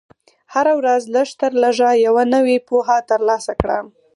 هره ورځ لږ تر لږه یوه نوې پوهه ترلاسه کړه.